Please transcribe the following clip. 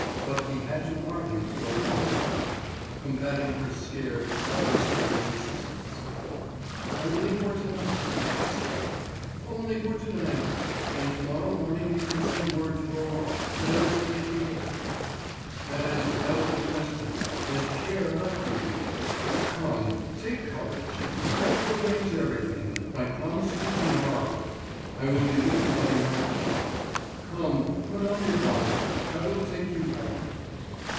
But he had to argue for a long time, combating her scared, terror stricken insistence. "Only for to night," she said. "Only for to night. And to morrow morning you can send word to Roland that I was taken ill." "That is out of the question, as Pierre left you here. Come, take courage. I will arrange everything, I promise you, to morrow; I will be with you by nine o'clock. Come, put on your bonnet. I will take you home."